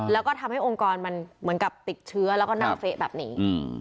แล้วก็ทำให้องค์กรมันเหมือนกับติดเชื้อแล้วก็นั่งเฟะแบบนี้